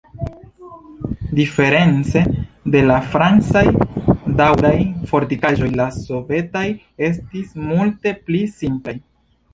Diference de la francaj daŭraj fortikaĵoj la sovetaj estis multe pli simplaj.